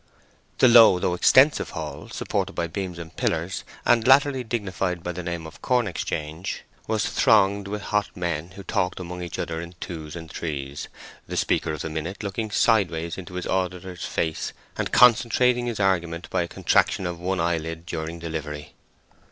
The low though extensive hall, supported by beams and pillars, and latterly dignified by the name of Corn Exchange, was thronged with hot men who talked among each other in twos and threes, the speaker of the minute looking sideways into his auditor's face and concentrating his argument by a contraction of one eyelid during delivery.